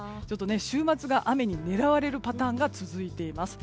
週末が雨に狙われるパターンが続いています。